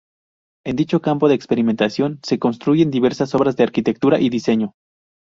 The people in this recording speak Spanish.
En dicho campo de experimentación se construyen diversas obras de arquitectura y diseño.